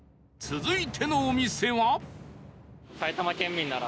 続いてのお店は